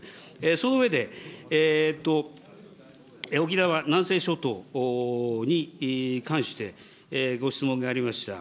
その上で、沖縄南西諸島に関してご質問がありました。